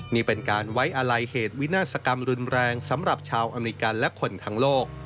นี่เป็นการไว้อาลัยเหตุวินาศกรรมรุนแรงสำหรับชาวอเมริกันและคนทั้งโลก